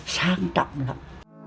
sang trọng lắm